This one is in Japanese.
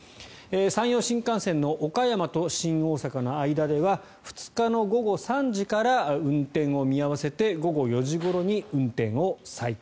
山陽新幹線の岡山と新大阪の間では２日の午後３時から運転を見合わせて午後４時ごろに運転を再開。